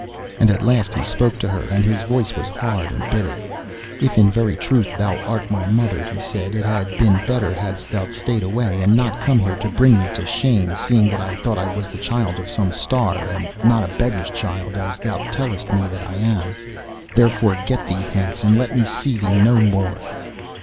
And at last he spoke to her, and his voice was hard and bitter. 'If in very truth thou art my mother,' he said, 'it had been better hadst thou stayed away, and not come here to bring me to shame, seeing that I thought I was the child of some Star, and not a beggar's child, as thou tellest me that I am. Therefore get thee hence, and let me see thee no more.